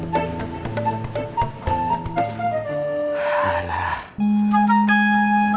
kalau begitu pak jualannya kemana